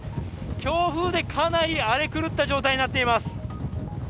強風でかなり荒れ狂った状態になっています。